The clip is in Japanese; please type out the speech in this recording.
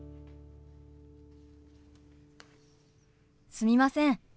すみません。